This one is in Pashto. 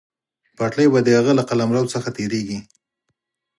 پټلۍ به د هغه له قلمرو څخه تېرېږي.